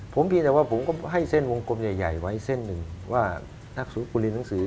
ผมเพียงแต่ว่าผมก็ให้เส้นวงกลมใหญ่ไว้เส้นหนึ่งว่าถ้าสมมุติคุณเรียนหนังสือ